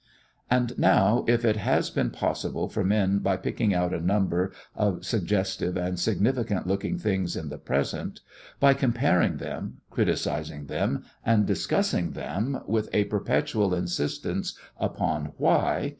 And now, if it has been possible for men by picking out a number of suggestive and significant looking things in the present, by comparing them, criticising them, and discussing them, with a perpetual insistence upon "Why?"